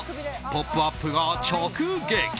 「ポップＵＰ！」が直撃！